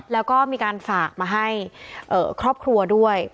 แล้วก็มีการฝากมาให้ครอบครัวด้วย